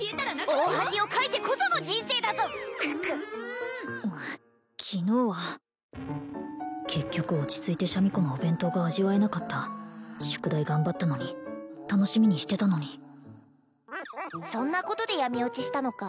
大恥をかいてこその人生だぞククッうん昨日は結局落ち着いてシャミ子のお弁当が味わえなかった宿題頑張ったのに楽しみにしてたのにそんなことで闇堕ちしたのか？